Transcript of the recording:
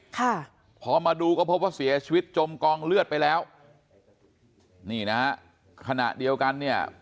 ค่ะพอมาดูก็พบว่าเสียชีวิตจมกองเลือดไปแล้วนี่นะฮะขณะเดียวกันเนี่ย